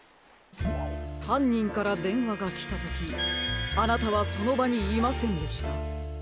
はんにんからでんわがきたときあなたはそのばにいませんでした。